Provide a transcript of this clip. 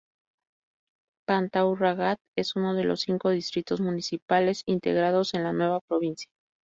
Pantau-Ragat es uno de los cinco distritos municipales integrados en la nueva provincia.